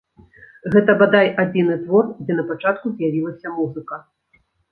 Гэта, бадай, адзіны твор, дзе напачатку з'явілася музыка.